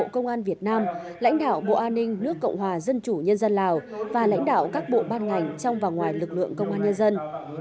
bộ công an việt nam lãnh đạo bộ an ninh nước cộng hòa dân chủ nhân dân lào và lãnh đạo các bộ ban ngành trong và ngoài lực lượng công an nhân dân